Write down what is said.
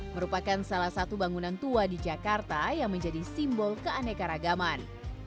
merupakan salah satu bangunan tua di jakarta yang menjadi simbol keanekaragaman